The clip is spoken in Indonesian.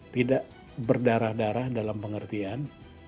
tidak berdarah darah dalam pengertian